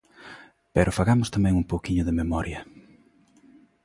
Pero fagamos tamén un pouquiño de memoria.